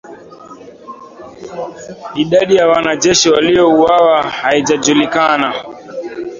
Idadi ya wanajeshi waliouawa haijajulikana